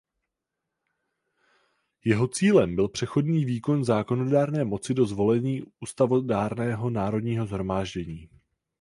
Jeho cílem byl přechodný výkon zákonodárné moci do zvolení Ústavodárného národního shromáždění.